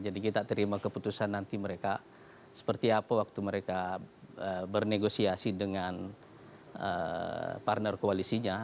kita terima keputusan nanti mereka seperti apa waktu mereka bernegosiasi dengan partner koalisinya